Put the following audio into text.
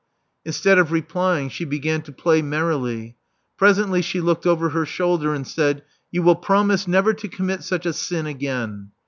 Instead of replying she began to play merrily. Presently she looked over her shoulder, and said, •*You will promise never to commit such a sin again."